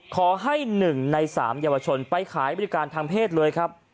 ขอให้๑ใน๓เยาวชนไปขายบริการทางเพศเลยครับ